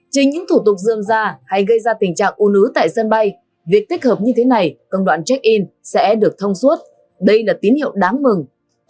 trên những thủ tục dơm già hay gây ra tình trạng u nứ tại dân bay việc tích hợp như thế này công đoạn check in sẽ được thông suốt đây là tín hiệu đáng mừng